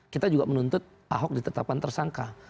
kita juga menuntut ahok ditetapkan tersangka